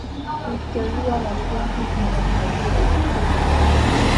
historia ya prentice ni rahisi kudhibitishwa